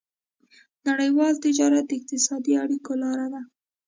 نړيوال تجارت د اقتصادي اړیکو لاره ده.